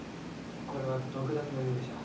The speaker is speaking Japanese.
これはドクダミのにおいじゃ。